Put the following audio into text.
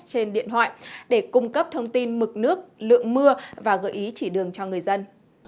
trên điện thoại để cung cấp thông tin mực nước lượng mưa và gợi ý chỉ đường cho người dân